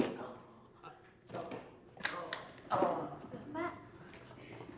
nggak apa apa bapak mau di sini